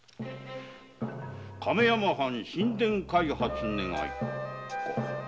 「亀山藩新田開発願」。